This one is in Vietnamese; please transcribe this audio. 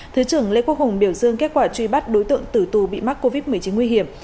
thứ trưởng lê quốc hùng biểu dương kết quả truy bắt đối tượng tử tù bị mắc covid một mươi chín nguy hiểm